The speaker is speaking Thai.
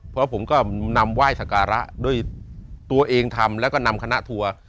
เพราะผมก็นำไหว้สการะด้วยตัวเองทำแล้วก็นำคณะทัวร์